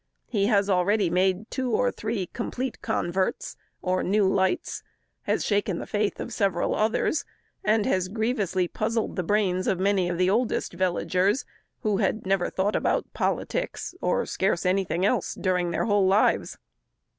He has already made two or three complete converts, or new lights; has shaken the faith of several others; and has grievously puzzled the brains of many of the oldest villagers, who had never thought about politics, or scarce anything else, during their whole lives.